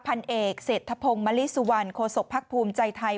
พันเอกเศรษฐพงศ์มลิสุวรรณโฆษกภักดิ์ภูมิใจไทย